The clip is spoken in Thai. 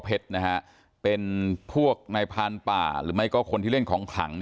แต่เผ็ดนะฮะเป็นผู้ในพานป่าหรือไม่ก็คนที่เล่นของขลัง